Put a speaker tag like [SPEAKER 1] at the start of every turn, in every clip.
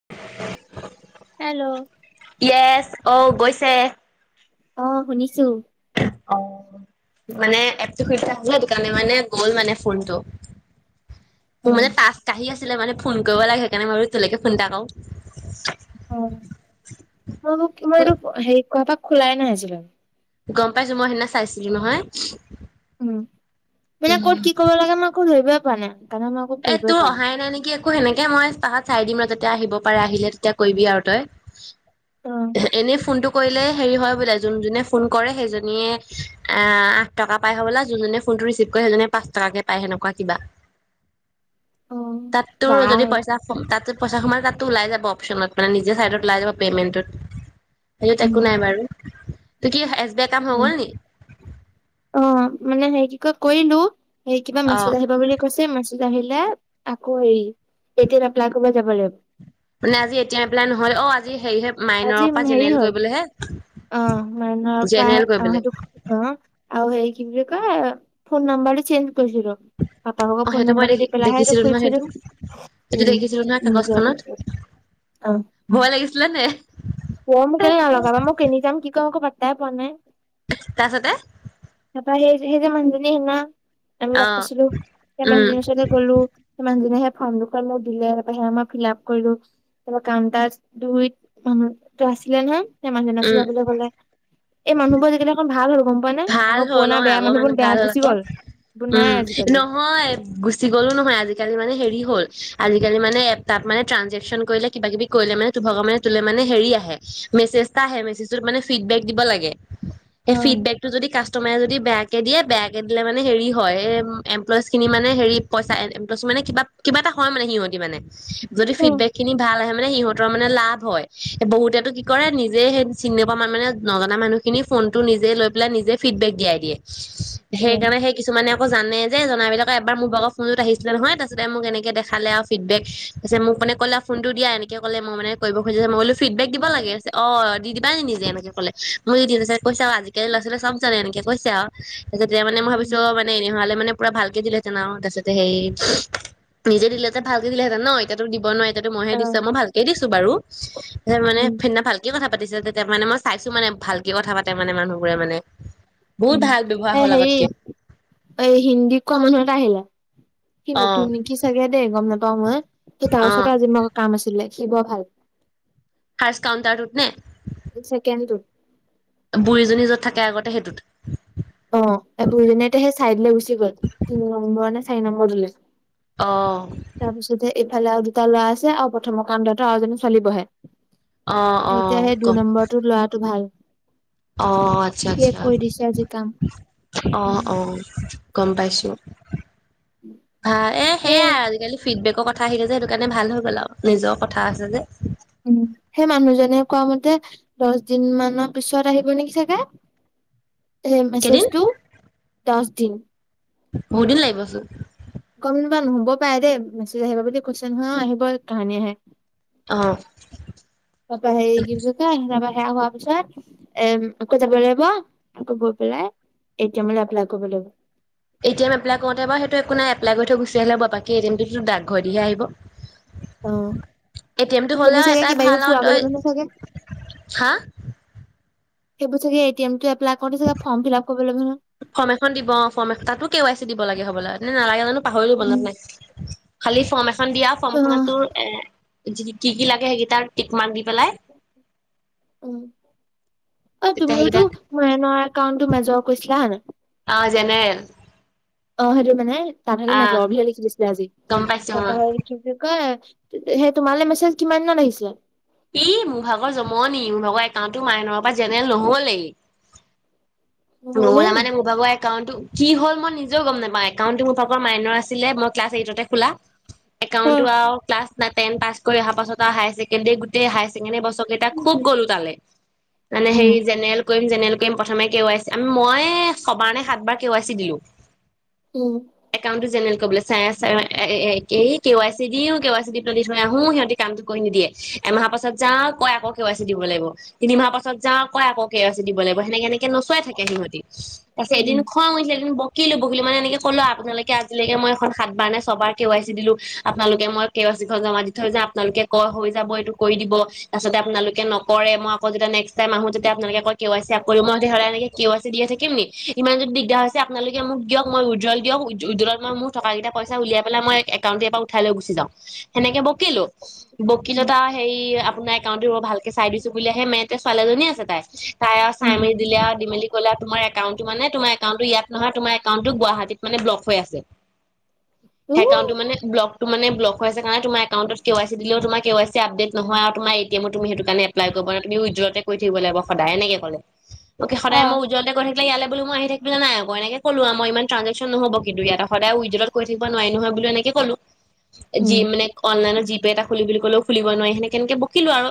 [SPEAKER 1] [unintelligible]
[SPEAKER 2] Hello?
[SPEAKER 1] Yes, অ' গৈছে।
[SPEAKER 2] অ' শুনিছোঁ।
[SPEAKER 1] অ' মানে এপটো শুই থাকোঁতে সেইকাৰণে মানে গ'ল মানে ফোনটো।
[SPEAKER 2] অ
[SPEAKER 1] মোৰ মানে তাচ কাহি আ ছিলে মানে ফোন কৰিব লাগে । সেইকাৰণে বাৰু তোলৈকে ফোন এটা কৰোঁ।
[SPEAKER 2] অ'। মোৰ [inaudible] মই এইটোৰ হেৰি কাৰোবাক খোলাই না হৈছিলোঁ।
[SPEAKER 1] গম পাইছোঁ মই। সেইদিনা চাইছিলোঁ নহয়।
[SPEAKER 2] উম। মানে ক'ত
[SPEAKER 1] উম।
[SPEAKER 2] কি কব লাগে মই একো ধৰিবই [unintelligible]
[SPEAKER 1] এ
[SPEAKER 2] কৰিবই
[SPEAKER 1] তোৰ
[SPEAKER 2] পৰা
[SPEAKER 1] অহাই নাই নেকি একো সেনেকে মই ত পাছত চাই দিম ৰ মাজত। তেতিয়া আহিব পাৰে আহিলে তেতিয়া কৰিবি আৰু তই। এনেই ফোনটো। কৰিলে হেৰি হয় বোলে জুন জুনে ফোন কৰে সেইজনীয়ে আঠ টকা পায় হয় হবলা যোনজনীয়ে ফোনটো ৰিচিভ কৰে সেইজনীয়ে পাঁচ টকাকে পায় সেনেকুৱা কিবা।
[SPEAKER 2] অ
[SPEAKER 1] তাত
[SPEAKER 2] বা
[SPEAKER 1] তোৰ যদি পইচা কম কাতে। পইচা সোমাই তাতো ওলাই যাব অপশচনত মানে নিজৰ চাইডত ওলাই যাব পে'মেণ্টোত। এই
[SPEAKER 2] উম
[SPEAKER 1] একো নাই বাৰু তোৰ কি এছ বি আই কাম হৈ গল নি।
[SPEAKER 2] ক কৰিলোঁ। সেই কিবা
[SPEAKER 1] অ
[SPEAKER 2] মেছেজ আহিব বুলি কৈছে মেছ। আহিলে আকৌ হেৰি এতিয়া এপ্লাই কৰিব যাব লাগিব।
[SPEAKER 1] মানে আজি এতিয়া এপ্লাই নহয় অ আজি। হেৰিহে মাইনৰৰ
[SPEAKER 2] আজি
[SPEAKER 1] পৰা
[SPEAKER 2] হেৰি
[SPEAKER 1] জেনেৰেল
[SPEAKER 2] হয়
[SPEAKER 1] কৰিবলৈহে
[SPEAKER 2] অ মাইনৰ পৰা
[SPEAKER 1] জেনেৰেল
[SPEAKER 2] আহ
[SPEAKER 1] কৰিবলৈ
[SPEAKER 2] সেইটো অ আৰু হেৰি। কি বুলি কয় ফোন নাম্বাৰটো চেইঞ্জ। কৰিছিলো পাপাহক
[SPEAKER 1] অ
[SPEAKER 2] ফোন
[SPEAKER 1] সেইটো মই
[SPEAKER 2] নম্বৰটো
[SPEAKER 1] দেখি
[SPEAKER 2] দি পেলাইহে এটো
[SPEAKER 1] দেখিছিলো নহয়
[SPEAKER 2] খোলিছিলো
[SPEAKER 1] সেইটো সেইটো
[SPEAKER 2] উম
[SPEAKER 1] দেখিছিলো নহয়
[SPEAKER 2] উ যোৱাৰ
[SPEAKER 1] কাগজখনত
[SPEAKER 2] পিছত আহ।
[SPEAKER 1] ভয় লাগিছিলে নে
[SPEAKER 2] পম কেলে নাই লগাবা মই কিনি যাম কি ক আকৌ পা। দাই পোৱা নাই।
[SPEAKER 1] তাৰ পাছতে।
[SPEAKER 2] তাৰপা সেই সেই যে মানুহজনীয়ে হেঙা আমি লগ পাইছিলো সেই
[SPEAKER 1] উম
[SPEAKER 2] মানুহজনীৰ সৈতে গলো সেই মানুহ জনীয়েহে। ফৰ্ম দুখন মোক দিলে তাৰপৰা সমযত খিলাপ ফিলআপ কৰিলো তাৰ কাম কাজ ধুইত। মানুহ টো আছিলে নহয়। সেই মানুহজনী আছিলে
[SPEAKER 1] উম
[SPEAKER 2] যাবলৈ গ'লে এই মানুহবোৰ যেতিয়া অকণ ভাল হ'ল গম। পোৱা নে
[SPEAKER 1] ভাল
[SPEAKER 2] আগৰ
[SPEAKER 1] হ'ল
[SPEAKER 2] পুৰণা
[SPEAKER 1] অ
[SPEAKER 2] বেয়া
[SPEAKER 1] আগৰ
[SPEAKER 2] মানুহবোৰ
[SPEAKER 1] মানে
[SPEAKER 2] বেয়া
[SPEAKER 1] ভাল
[SPEAKER 2] গুচি
[SPEAKER 1] আকৌ
[SPEAKER 2] গ'ল এইবোৰ নাই
[SPEAKER 1] উম
[SPEAKER 2] আজিকালি
[SPEAKER 1] নহয় গুচি গ'লো নহয় আজিকালি মানে হেৰি হ'ল আজিকালি মানে তাত মানে ত্ৰাণজেচন কৰিলে কিবা কিবি কৰিলে মানে তো ভাগ তুলে মানে হেৰি আহে, মেছেজ এটা আহে মেছেজ টোত মানে ফিডবেক দিব লাগে। হে
[SPEAKER 2] অ',
[SPEAKER 1] ফিডবেক যদি কাষ্টমাৰে যদি বেয়াকে দিয়ে বেয়াকে দিলে মানে হেৰি হয় এ এমপ্লয়জ খিনি মানে হেৰি পইচা এমপ্লয়জ মানে কিবা কিবা এটা হয় মানে সিহঁতি মানে। যদি
[SPEAKER 2] উম,
[SPEAKER 1] ফিডবেক খিনি ভাল আহে মানে সিহঁতৰ লাভ হয় বহুতেটো কি কৰে নিজে সেই চিন নোপোৱা মান মানে নজনা মানুহ খিনি ফোনটো নিজে লৈ পেলায় নিজে ফিডেবেক দিয়াই দিয়ে
[SPEAKER 2] উম,
[SPEAKER 1] সেইকাৰণে সেই কিছুমানে আকৌ জানে যে জনাবিলাকে এবাৰ মোৰ ভাগ ফোনত আহিছিলে নহয় তাৰিছতে মোক এনেকে দেখালে, আৰু ফিডবেক পিছ মোক মানে ক'লে আৰু ফোনটো দিয়া এনেকে কলে, মই মানে কৰিব খুজিছ মই কলো ফিডবেক দিব লাগে? অ দি দিবা নি নিজে এনেকে কলে মই যদি কৈছাও আজি লৰা ছোৱালীয়ে চব জানে এনেকে কৈছে আও, তেতিয়া মানে মই
[SPEAKER 2] উম
[SPEAKER 1] ভাবিছো অ মানে এইহালে মানে পোৰা ভালকে দিলে তাৰপছতে সেই নিজে দিলেতে ভালকে দিলেহেতেন ন এতিয়া দিব নোৱাৰে এতিয়া তো মই হে দিছো,
[SPEAKER 2] অ',
[SPEAKER 1] মই ভালকে দিছো বাৰু [unintelligible] মানে
[SPEAKER 2] উম,
[SPEAKER 1] সিদিনা ভালকে কথা পাতিছে তেতিয়া মানে মই চাইছো মানে, ভালকে কথা পাতে মানে মানুহ পোৰা মানে
[SPEAKER 2] উম, এ
[SPEAKER 1] হ'ল
[SPEAKER 2] হেৰি,
[SPEAKER 1] আগতকে
[SPEAKER 2] অই হিন্দী কোৱা মানুহ এটা আহিলে কি
[SPEAKER 1] অ
[SPEAKER 2] নতুন নিকি চাগে দে গম না কম হয় । তাৰ
[SPEAKER 1] অ
[SPEAKER 2] ওচৰতে আজি ইমান কাম আছিলে। সি বৰ ভাল।
[SPEAKER 1] ফাৰ্ষ্ট কাউণ্টাৰটোত নে?
[SPEAKER 2] ছেকেণ্ডটোত
[SPEAKER 1] বুঢ়ীজনী য'ত থাকে আগতে সেইটোত।
[SPEAKER 2] অ, এ বুঢ়িজনী এতিয়া সেই চাইডলে গুচি গ'ল, তিনি নম্বৰ নে চাৰি নম্বৰটোলে
[SPEAKER 1] অ।
[SPEAKER 2] ইফালে আৰু দুটা ল'ৰা আছে আৰু প্ৰথমৰ কাণ্ডত আৰু এজনী ছোৱালী বহে।
[SPEAKER 1] অ অ
[SPEAKER 2] এতিয়া সেই দুই
[SPEAKER 1] গম
[SPEAKER 2] নম্বৰটো, লৰাটো ভাল ।
[SPEAKER 1] অ, আচ্ছা আচ্ছা।
[SPEAKER 2] দিছে আজি কাম
[SPEAKER 1] অ,
[SPEAKER 2] উম
[SPEAKER 1] অ, গম পাইছো।
[SPEAKER 2] উম [unintelligible]
[SPEAKER 1] ভাল এ
[SPEAKER 2] হে।
[SPEAKER 1] সেয়াই আজিকালি ফিডবেকৰ কথা আহিলে যে সেইটো কাৰণে ভাল হৈ গ'ল আৰু নিজৰ কথা আছে যে
[SPEAKER 2] উম সেই মানুহজনে কোৱা মতে দছ দিন মানৰ পিছত আহিব নেকি চাগে এ
[SPEAKER 1] কেইদিন
[SPEAKER 2] মেছেজটো। দচ দিন ।
[SPEAKER 1] বহুত দিন লাগিব চোন।
[SPEAKER 2] গম নোপাৱা নহব পাৰে দেই, মেছেজ আহিবা বুলি কৈছে নহয় অ, আহিব কাহানী আহে
[SPEAKER 1] অ।
[SPEAKER 2] তাৰপৰা সেই কেনেকুৱা যাবা সেয়া হোৱাৰ পিছত, এ আকৌ যাব লাগিব, আকৌ গৈ পেলাই, এ টি এমৰ এপ্লাই কৰিব লাগিব।
[SPEAKER 1] এ টি এম এপ্লাই কৰোতে বা সেইটো একো নাই এপ্লাই কৰি থৈ গুচি আহিলে বাকী এ টি এমটোতো ডাকঘৰ দিহে আহিব।
[SPEAKER 2] অ
[SPEAKER 1] এ টি এমটো
[SPEAKER 2] সেইবোৰ
[SPEAKER 1] হ'লেও
[SPEAKER 2] চাগে
[SPEAKER 1] এটাই
[SPEAKER 2] কিবা কিবি
[SPEAKER 1] ভাল আৰু
[SPEAKER 2] পুৰাব
[SPEAKER 1] তই
[SPEAKER 2] লাগিব নহয় চাগে
[SPEAKER 1] হা
[SPEAKER 2] সেইবোৰ চাগে এটি এম টো
[SPEAKER 1] ফৰ্ম এখন দিব, ফৰ্ম তাতো কে ৱাই চি দিব লাগে হ'বলা, ন নালাগে জানো পাহৰিলো মনত নাই। খালি ফৰ্ম এ ফৰ্মখন দিয়া
[SPEAKER 2] অ
[SPEAKER 1] ফৰ্মখনতো এ কি, কি লাগে সেইকেইটা টিক মাৰ্ক দি পেলাই
[SPEAKER 2] উম, অ,
[SPEAKER 1] তেতিয়া সেইকেইটা
[SPEAKER 2] তুমিওতো মনৰ একাউণ্টটো মেজৰ কৰিছিলা হয়নে
[SPEAKER 1] অ জেনেৰেল
[SPEAKER 2] অ সেটো মানে তাত হেনো
[SPEAKER 1] আহ
[SPEAKER 2] মেজৰ বুলিহে লিখি দিছিলে আজি,
[SPEAKER 1] গম পাইছো
[SPEAKER 2] তাৰ পা
[SPEAKER 1] অ।
[SPEAKER 2] আৰু কি বুলি কয়? তেতিয়াহে, তোমালে মেছেজ কিমান দিনত আহিছিলে?
[SPEAKER 1] এই মোৰ ভাগৰ জমনি, মোৰ ভাগৰ একাউণ্টটো মাইনৰ পৰা জেনেৰেল নহলেই। নহলে মানে, মোৰ ভাগৰ একাউণ্টো কি হ'ল, মই নিজেও গম নাপাওঁ, একাউণ্টো মোৰ মোৰ ভাগৰ মাইনৰ আছিলে মই ক্লাছ এইটতে খোলা
[SPEAKER 2] অ
[SPEAKER 1] একাউণ্টটো আৰু ক্লাছ নাইন, টেন পাছ কৰি অহাৰ পাছত হাইছেকেনডী গোটেই হাইচ [unintelligible] [unintelligible] খুব গলো তালে মানে হে
[SPEAKER 2] উম
[SPEAKER 1] জেনেৰেল কৰিম জেনেৰেল কৰিম প্ৰথমে কে- ৱাই -চি মই ছবাৰ নে সাতবাৰ কে ৱাই চি দিলো।
[SPEAKER 2] উম
[SPEAKER 1] একাউণ্টটো জেনেৰেল কবলৈ চাই কে ৱাই চি দিও কে ৱাই চি দি পেলাই দি থৈ আহো, সিহঁতি কামতটো কৰি নিদিয়ে এমাহ পাছত যাওঁ কই আকৌ কে ৱাই চি দিব লাগিব, তিনিমাহ পাছত যাওঁ কয় আকৌ কে ৱাই চি দিব লাগিব, সেনেকে এনেকে নচোৱাই। সিহঁতি, তাৰপিছত এদিন
[SPEAKER 2] উম
[SPEAKER 1] খং উঠিলে এদিন বকি বকিলো, বকিলো মানে এনেকে ক'লো আৰু আপোনালোকে আজিলৈকে মই এখন সাত বাৰ নে ছবাৰ কে ৱাই চি দিলো, আপোনালোকে মই কে ৱাই চি খন জমা দি থৈ যাওঁ, আপোনালোকে কয় হৈ যাব এইটো কৰি দিব তাৰপাছতে আপোনালোকে নকৰে মই আকৌ যেতিয়া নেক্স টাইম আহো যেতিয়া আপোনালোকে কয়, কে ৱাই চি আক কৰিব মই তেতিয়ালে কি সদায় এনেকে কে ৱাই চিয়ে দি থাকিম নি, ইমান যদি দিগদাৰ হৈছে, আপোনালোকে মোক দিয়ক মই উজ্বল দিয়ক উদোৱেল ত মই মোৰ থকাকেইটা পইচা উলাই পেলাই, মই একাউণ্টোয়ে ইয়াৰ পৰা উঠাই লৈ গুচি যাওঁ। সেনেকে বকিলো,
[SPEAKER 2] উম
[SPEAKER 1] বকিলত আৰু হেৰি আপোনাৰ একাউণ্টো বৰ ভালকে চাই দিছো বুলি হে, মে তে ছোৱালীজনী আছে, তাই তাই আৰু চাই
[SPEAKER 2] উম
[SPEAKER 1] মেলি দিলে, আৰু দি মেলি তোমাৰ একাউণ্টো মানে, তোমাৰ একাউণ্টো ইয়াত নহয়, তোমাৰ একাউণ্টো গুৱাহাটীত মানে ব্লক হৈ আছে।
[SPEAKER 2] উ
[SPEAKER 1] একাউণ্টটো মানে ব্লক ত মানে ব্লক হৈ আছে, কাৰণে তোমাৰ একাউণ্টত কে ৱাই চি দিলে তোমাৰ কে ৱাই চি আপডে নহয়, আৰু তোমাৰ এ টি এম টো সেইটো কাৰণে এপ্লাই কৰিব নোৱাৰা, তুমি উদোৱেল কৰি থাকিব লাগিব সদায় এনেকে ক'লে। অকে,
[SPEAKER 2] অ
[SPEAKER 1] সদায় মই এনেকে কৰি থাকিলে ইয়ালে বুলি মই আহি থাকিলে নাই আকৌ, এনেকে কলো আৰু মই ইমান ট্ৰাঞ্জেকচন নহ'ব, কিন্তু ইয়াতে সদায় উদ্দুৱেলত কৰি থাকিব নোৱাৰে নহয়, বুলি এনেকে কলো। যি
[SPEAKER 2] উম
[SPEAKER 1] মানে অনলাইনত যি জি পে এটা খুলিম বুলি ক'লেও খুলিব নোৱাৰি সেনেকে কেনেকে বকিলো আৰু।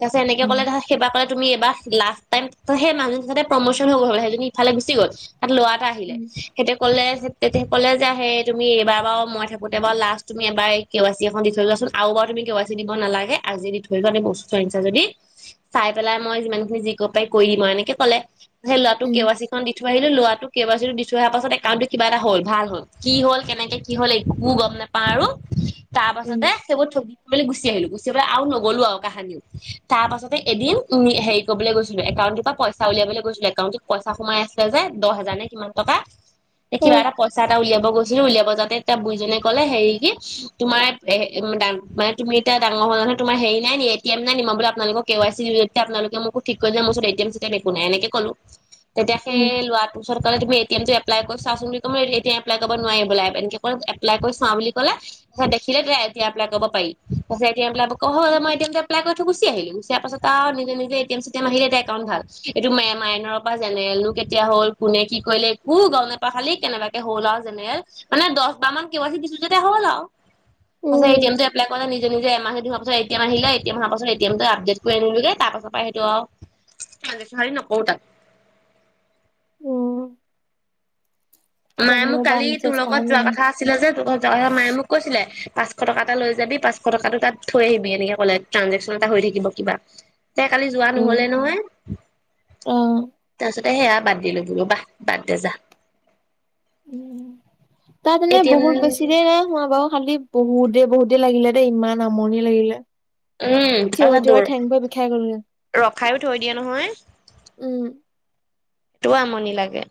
[SPEAKER 1] তাৰপিছত এনেকে
[SPEAKER 2] উম
[SPEAKER 1] কলে, ধৰা সেইপাতে তুমি এবাৰ লাষ্ট টাইম, সেই মানুহজনে প্ৰমোচন হ'ব, সেই জনি ইফালে গুচি গ'ল। তাত ল'ৰা এটা আহিলে সিটো কলে তেতিয়াে কলে যে আহেই তুমি এইবাৰ বাৰু মই থাকোঁতে বাৰু লাষ্ট তুমি এবাৰ কে ৱাই চি এখন দি থৈ যোৱাচোন আৰু বাৰু তুমি কে ৱাই চি দিব নালাগে, আজি দি থৈ যোৱা এ বস্তু আনিচা যদি চাই পেলাই মই যিমানখিনি যি পাৰোঁ কৰি দিম আৰু এনেকে কলে। হেই লৰাটোক কে ৱাই চি খন দি থৈ আহিলো লৰাটোক কে ৱাই চি দি থৈ অহাৰ পাছত, একাউণ্টতটো কিবা এটা হল ভাল হল, কি হল, কেনেকে কি হল, একো গম নাপাওঁ আৰু। তাৰ পাছতে সেইবোৰ ঠগি লে গুচি আহিলো গুচি আহি আৰু নগলো আৰু কাহানিও, তাৰ পাছতে এদিন উ, হেৰি কৰিবলৈ গৈছিলো একাউণ্টৰ পৰা পইচা উলিয়াবলৈ গৈছিলো। আকাউটোত পইচা সোমাই আছিলে যে দহ হেজাৰ নে? কিমান টকা। এ কিবা এটা পইচা এটা উলিয়াব গৈছিলো, উলিয়াব যাওতে এতিযায় বুঢ়ীজনিয়ে ক'লে হেৰি কি তোমাৰ মানে তুমি এয়া ডাঙৰ নহয়, তোমাৰ হেৰি নাই নি এ টি এম নাই নি বোলো, আপোনালোকক কে ৱাই চি আপোনালোকে মোকো ঠিক কৰিলে মোৰ ওৰত A T M, C T M একো নাই এনেকে কলো। হয় [unintelligible] তেতিয়া সেই লৰাৱাটো তাৰ পিছত ক'লে তুমি এ টি এ টো এপ্লাই কৰি চা চোন তুমি এপ্লাই কৰিব নোৱাৰে বোলে এনেকে এপ্লাই কৰি চাওঁ বুলি কলে দেখিলে এয়া এপ্লাই কৰিব পাৰি। মই এ তি এম এপ্লাই কৰি থৈ গুচি আহিলো, গুচি অহাৰ পাছত আৰু নিজে নিযে এ টি এম আহিলে একাউনটো ভাল এইটো মা পৰা জেনেৰেলো কেতিয়া হ'ল কোনে কি কৰিলে একো গম নাপাওঁ খালি কেনেবাকে হ'ল আৰু জেনেৰেল মানে দহ বাৰ মান কে ৱাই চি দিছো যেতিয়া হ'ল আৰু। পাছত এ টি এম টো এপ্লাই কৰাৰ পিছত, নিজে-নিজে এ টি এম এমাহ পিছত আহিলে এ টি এম আহাৰ পাছত এ টি এম আপডেট কৰি আনিলোগে, তাৰ পাছৰ পৰাই সেইটো আৰু তাত
[SPEAKER 2] এতিয়া
[SPEAKER 1] মায়ে মোক
[SPEAKER 2] মোৰ পৰা
[SPEAKER 1] কালি তোৰ
[SPEAKER 2] মেছেজ
[SPEAKER 1] লগত
[SPEAKER 2] কাহানী
[SPEAKER 1] যোৱা
[SPEAKER 2] আহে
[SPEAKER 1] কথা আছিলে, যে তোৰ যোৱাৰ কথা মায়ে মোক কৈছিলে। পাঁচশ টকা এটা লৈ যাবি, পাঁচশ টকাতটো তাত থৈ আহিবি, এনেকে ক'লে ট্ৰাঞ্জেকশ্যন এটা হৈ থাকিব কিবা। তে কালি যোৱা নহলে নহয়। উ, [unintelligible]
[SPEAKER 2] আহ,
[SPEAKER 1] তাৰপাছতে সেয়া বাদ দিলো বোলো বাহ বাদ দে যা।
[SPEAKER 2] উম, তাত
[SPEAKER 1] এ
[SPEAKER 2] এনেই
[SPEAKER 1] টি এম
[SPEAKER 2] বহুত বেছি দে নাই হোৱা বাও খালি বহুতেই বহুতেই লাগিলে দেই ইমান আমৰনি লাগিলে
[SPEAKER 1] উম
[SPEAKER 2] থিয়ৰি
[SPEAKER 1] আঙা
[SPEAKER 2] থিয়ৰি
[SPEAKER 1] দূৰ
[SPEAKER 2] ঠেং ভৰি বিষাই গ'লগে
[SPEAKER 1] ৰ খাইও থৈ দিয়ে নহয়
[SPEAKER 2] উম
[SPEAKER 1] সেইটো আমনি লাগে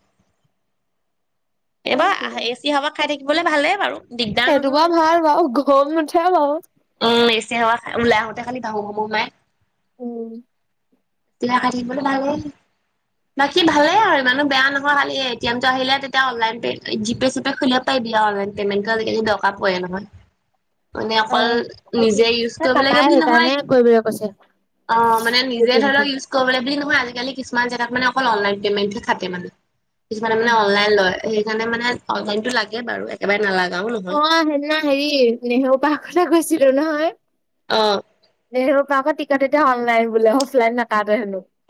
[SPEAKER 1] এইবাৰ এচি হাৱা খাই থাকি দিবলৈ ভালেই বাৰু দিগদাৰ
[SPEAKER 2] সেইটো বাও
[SPEAKER 1] নহয়
[SPEAKER 2] ভাল বাও গম উঠে বাও
[SPEAKER 1] উম এচি সাৱা ওলাই আহোতে খালি বাহু বাহু মাই
[SPEAKER 2] উম
[SPEAKER 1] বাকী ভালেই আৰু ইমানো বেয়া নহয় খালি এই টি এইটো আহিলে তেতিয়া জি পে চি পে খুলিব পাইবি আও আজি কালি দৰকাৰ পৰে নহয় মানে অকল
[SPEAKER 2] অ',
[SPEAKER 1] নিজে
[SPEAKER 2] সেই
[SPEAKER 1] ইউজ কৰিব লাগে
[SPEAKER 2] পাপাই
[SPEAKER 1] বুলি নহয়
[SPEAKER 2] সেইকাৰণে কৰিবলৈ কৈছে
[SPEAKER 1] অ মানে
[SPEAKER 2] এ
[SPEAKER 1] নিজে
[SPEAKER 2] টি
[SPEAKER 1] ধৰি
[SPEAKER 2] এমটো।
[SPEAKER 1] লওক ইউছ কৰিবলৈ [unintelligible] আজিকালি কিছুমান জেগাত মানে অকল অনলাইন পেমেটহে খাটে মানে। কিছুমানে মানে অনলাইন লয়। সেই সেইকাৰণে মানে অনলাইনটো লাগে বাৰু। একেবাৰে নালাগ
[SPEAKER 2] অ' সেইদিনা হেৰি, নেহেৰু পা কথা কৈছিলোঁ নহয়?
[SPEAKER 1] অ'।
[SPEAKER 2] নেহৰু পাৰ্কৰ টিকট এতিয়া অনলাইন বোলে, অফলাইন নাকা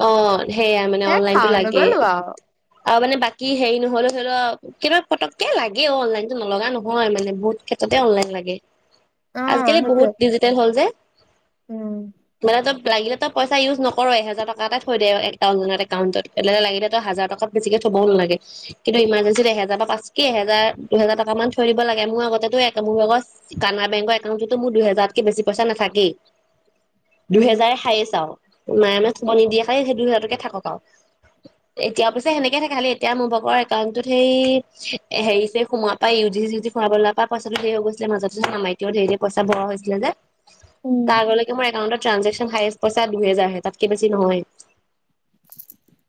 [SPEAKER 1] অ' সেইয়া মানে অনলাইনটো
[SPEAKER 2] খাওঁ
[SPEAKER 1] লাগে।
[SPEAKER 2] নগ'লো আৰু।
[SPEAKER 1] অ' মানে বাকী হেৰি নহলেৱ ধৰি ল, কিবা পটক্কে লাগে অ' অনলাইন। নলগা নহয়, মানে বহুত যাতে অনলাইন লাগে।
[SPEAKER 2] অ',
[SPEAKER 1] আজিকালি বহুত
[SPEAKER 2] সেইটোৱে
[SPEAKER 1] ডিজিটেল হ'ল যে।
[SPEAKER 2] উম,
[SPEAKER 1] মানে লাগিলে ত‌ই পইচা ইউজ নকৰ। এহেজাৰ ট টকা থৈ দে এটা [unintelligible] একাউণ্টত। এনে লাগিলে তই হাজাৰ টকাত বেছিকে থবও নালাগে । কিন্তু ইমাৰজেঞ্চিত এহেজাৰ বা পাঁচ কি এহেজাৰ- দুহেজাৰ টকা মান থৈ দিব লাগে । মোৰ আগতেতো একদম [unintelligible] কানাডা বেংকৰ একাউণ্টতো মোৰ দুহেজাৰতকে বেছি পইচা নাথাকেই।
[SPEAKER 2] উম,
[SPEAKER 1] দুহেজাৰ খায় আছাও। মাই ম টো মই নিদিয়াকে সেই [unintelligible] ততে থাকক আও। এতিয়া পিছে সেনেকে থাকে। খালি এতিয়া মোৰ ভাগৰ একাউণ্টোত সেই হেৰি যে সোমোৱা পৰাই, ইউ জি - চিউ জি ভৰাবলৈৰ পৰা পইচাটো ঢেৰ হৈ গৈছিলে মাজত । মাইতিও ঢেৰ ঢেৰ পইচা ভৰুৱা হৈছিলে যে।
[SPEAKER 2] উম,
[SPEAKER 1] তাৰ আগলৈকে মোৰ একাউন্টত ট্ৰানজেক্সন হায়েষ্ট পইচা দুহেজাৰ হে তাত কে বেছি নহয়।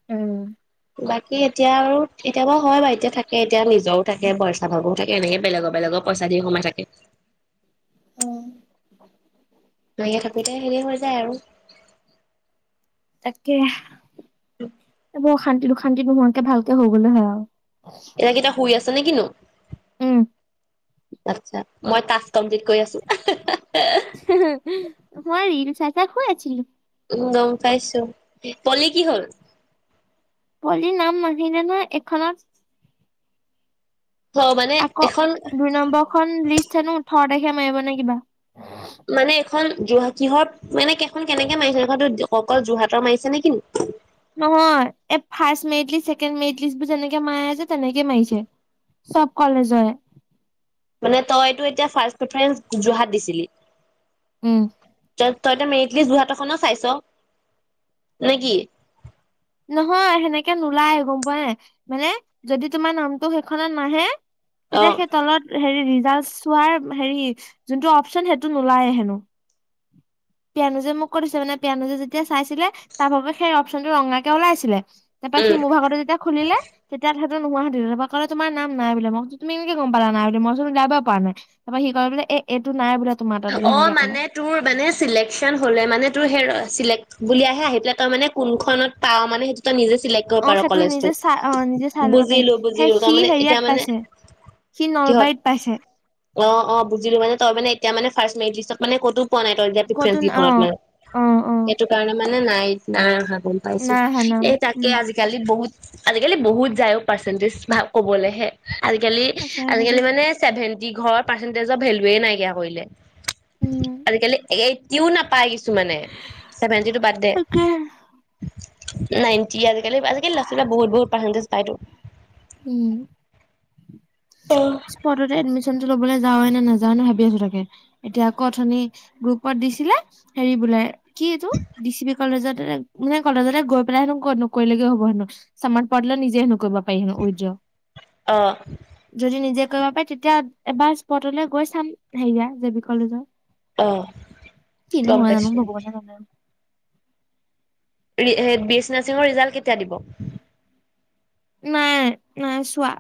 [SPEAKER 2] উম
[SPEAKER 1] বাকী এতিয়া আৰু, এতিয়া বাৰু হয় বা এতিয়া থাকে । এতিয়া নিজও থাকে, পইচা পাবও থাকে, এনে বেলেগৰ - বেলেগৰ পইচা দি সোমাই থাকে।
[SPEAKER 2] উম।
[SPEAKER 1] উলিয়াই থাকোঁতে হেৰি হৈ যায় আৰু।
[SPEAKER 2] তাকে। এ ব অশান্তি - দুুশান্তি নোহোৱাকে ভালকে হৈ গলে হয় আৰু।
[SPEAKER 1] এইকেইটা শুই আছ ছে নে কিনো?
[SPEAKER 2] উম
[SPEAKER 1] আচ্ছা, মই কাষ্টম ঠিক কৰি আছোঁ।
[SPEAKER 2] মই ৰিল চাই - চাই শুই আচিলোঁ।
[SPEAKER 1] উম, গম পাইছোঁ। পলি কি হ'ল?
[SPEAKER 2] পলিৰ নাম নাহিলে ন' এখনত।
[SPEAKER 1] অ মানে
[SPEAKER 2] আক'
[SPEAKER 1] এখন
[SPEAKER 2] দুই নম্বৰখন লিষ্ট হেনো ওঠৰ তাৰিখে য়া মাৰিব নে কিবা?
[SPEAKER 1] মানে খন যোৰহাট কিহত মানে কেইখন কেনেকে মাৰিছে এখন অকল যোৰহাটৰ মাৰিছে নেকি?
[SPEAKER 2] নহয় এ ফাষ্ট মেৰিটলিষ্ট ছেকেণ্ড মেৰিটলিচ বোৰ যেনেকে মাৰে যে তেনেকে মাৰিছে চব কলেজৰে
[SPEAKER 1] মানে তইতো এতিয়া ফাষ্ট প্ৰেফাৰেঞ্চ যোৰহাট দিছিলি
[SPEAKER 2] উম
[SPEAKER 1] তই ত মেৰিট লিষ্ট যোৰহাটৰখনো চাইছ নে কি
[SPEAKER 2] নহয় সেনেকে নোলায় গম পোৱা নাই মানে যদি তোমাৰ নামটো সেইখনত নাহে
[SPEAKER 1] অ
[SPEAKER 2] তেতিয়া সেই তলত হেৰি লছ চোৱাৰ হেৰি যোনটো অপচন সেইটো নোলায় হেনো পিয়ানোজে মোক কৈ থৈছে মানে পিয়ানোজে যেতিয়া চাইছিলে তাৰ সেই অপশচনটো ৰাঙা কে কে ওলাইছিলে তাৰ পৰা সি
[SPEAKER 1] উম
[SPEAKER 2] মোৰ ভাগটো যেতিয়া খুলিলে তেতিয়া নোহো হৈ থাকিলে তাৰ পৰা কলে তোমাৰ নাম নাই বুলি মই সুধিছো তুমি কেনেকে গম পালা নাই বুলি মইচো ওলিযাবই পৰা নাই তাৰপা সি কলে বোলে এই এইটোত নাই বোলে তোমাৰ তাত বোলে
[SPEAKER 1] অ
[SPEAKER 2] সেনেকে ক'লে
[SPEAKER 1] মানে তোৰ মানে চিলেকচন হলে মানে তোৰ হে চিলেক বুলি আহে আহি পেলাই তই মানে কোনখনত পাৱ মানে সেইটো তই নিজে চিলেক্ট কৰিব
[SPEAKER 2] অ
[SPEAKER 1] পাৰ
[SPEAKER 2] সেইটো
[SPEAKER 1] কলেজটো।
[SPEAKER 2] নিজে চাই অ নিজে চাই ল'ব পাৰি
[SPEAKER 1] বুজিলো
[SPEAKER 2] সেই
[SPEAKER 1] বুজিলো তাৰ
[SPEAKER 2] সি
[SPEAKER 1] মানে
[SPEAKER 2] হেৰিয়াত
[SPEAKER 1] এতিয়া মানে
[SPEAKER 2] পাইছে সি
[SPEAKER 1] কিহত
[SPEAKER 2] নলবাৰীত পাইছে
[SPEAKER 1] অ অ বুজিলো মানে তই মানে এতিয়া মানে ফাষ্ট মেৰিটলিষ্টত মানে কতো পোৱা নাই তই এতিয়া
[SPEAKER 2] ক'তো
[SPEAKER 1] ডিফাৰেন্ঞ্চ
[SPEAKER 2] অ
[SPEAKER 1] কেইখনত মানে
[SPEAKER 2] অ অ
[SPEAKER 1] এইটো কাৰণে মানে নাই নাই অহা গম পাইছো
[SPEAKER 2] নাই আহা নাম
[SPEAKER 1] এই তাকে
[SPEAKER 2] উম
[SPEAKER 1] আজিকালি বহুত আজিকালি বহুত যায়ও পাৰ্চেন্টেজ ভাল কবলেহে আজিকালি
[SPEAKER 2] সঁচাকে
[SPEAKER 1] আজিকালি
[SPEAKER 2] দেই
[SPEAKER 1] মানে চেভেনন্টি যি ঘৰৰ পাৰ্চেণ্টেজৰ ভেলুয়ে নাইকিয়া কৰিলে
[SPEAKER 2] উম
[SPEAKER 1] আজিকালি এই কউন আপ পাই গইছো মানে ছেভেনটিটো বাদদে
[SPEAKER 2] তাকে
[SPEAKER 1] নাইট টি আৰু কেলেবা আজি কালি ল'ৰা ছোৱালীয়ে বহু বহত পাৰ্চেন্টেজ পাইতো
[SPEAKER 2] উম
[SPEAKER 1] অ
[SPEAKER 2] স্পটতে এডমিচনটো লবলৈ যাম যাওৱে নে নাযাৱওে নে ভাবি আছো তাকে এতিয়া আকৌ গ্ৰুপত দিছিলে হেৰি বোলে কি এইটো ডি চি বি কলেজত মানে কলেজলৈ গৈ পেলাই হেনো নকৰিলেও হব হেনো সমান পৰটেলত নিজে হেনো কৰিব পাৰি কই যা যদি নিজে কৰিব পাৰি তেতিয়া এবাৰ স্পটলৈ গৈ চাম হেৰিয়া জে বি কলেজৰ
[SPEAKER 1] অ
[SPEAKER 2] কিনো
[SPEAKER 1] গম
[SPEAKER 2] হয় জানো
[SPEAKER 1] পাইছো
[SPEAKER 2] ভগৱানে জানে ।
[SPEAKER 1] বি এচ নাৰছিঙৰ ৰিজাল্ট কেতিয়া দিব?
[SPEAKER 2] নাই নাই চোৱা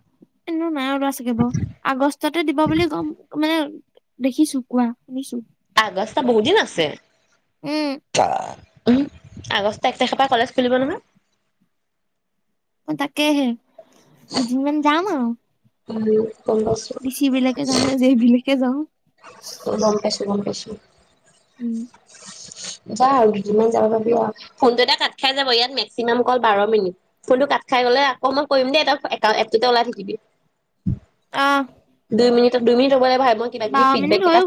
[SPEAKER 2] এনেও নাই ওল- ছাগিব আগষ্টতে দিব বুলি গম মানে, দেখিছো কোৱা? শুনিছো।
[SPEAKER 1] আগষ্ট বহু দিন আছে।
[SPEAKER 2] উম
[SPEAKER 1] উহু আগষ্ট এক তাৰিখৰ পৰা কলেজ খুলিব নহয়।
[SPEAKER 2] অ তাকে হে দুদিনমান যাম আৰু।
[SPEAKER 1] উম গম পাইছো
[SPEAKER 2] দিচি বিলাকে যাওঁ নে যেবিলাকে যাওঁ
[SPEAKER 1] গম পাইছো গম পাইছোঁ।
[SPEAKER 2] উম
[SPEAKER 1] যা আৰু দুইদিনমান যাব পাবি আও ফোনটো এটা ফোনটো এটা কাট খাই যাব ইয়াত মেক্সিমাম কল বাৰ মিনিট ফোনটো কাট খাই গলে আকৌ মই কৰিম দেই এপ টোতে ওলাই থাকিবি।
[SPEAKER 2] আহ
[SPEAKER 1] দুই মিনিত দুইমিনিট হ'ব লাগিব সাইপ মই কিবা কিবি
[SPEAKER 2] বাৰ
[SPEAKER 1] ফিডবেক
[SPEAKER 2] মিনিট হৈ
[SPEAKER 1] এটা
[SPEAKER 2] গ'ল